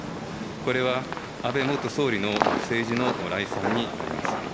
これは、安倍元総理の政治の礼賛になります。